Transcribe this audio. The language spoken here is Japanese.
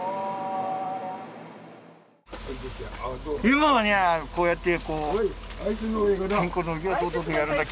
今はねこうやって。